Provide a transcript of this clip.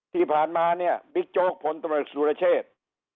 ที่ผ่านมาเนี่ยบิ๊กโจ๊กพลตำรวจสุรเชษ